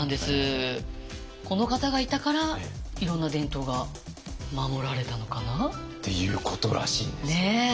この方がいたからいろんな伝統が守られたのかな？っていうことらしいんですけどね。